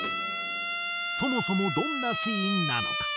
そもそもどんなシーンなのか？